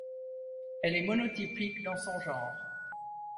Elle est monotypique dans son genre.